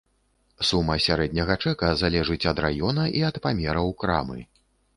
Сума сярэдняга чэка залежыць ад раёна, і ад памераў крамы.